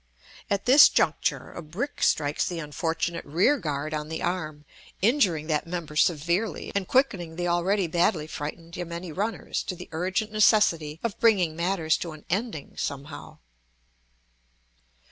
At this juncture a brick strikes the unfortunate rear guard on the arm, injuring that member severely, and quickening the already badly frightened yameni runners to the urgent necessity of bringing matters to an ending somehow.